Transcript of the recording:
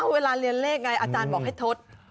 เวลาเรียนเลขไงอาจารย์บอกให้ทด